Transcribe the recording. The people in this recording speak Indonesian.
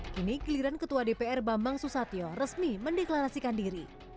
kini giliran ketua dpr bambang susatyo resmi mendeklarasikan diri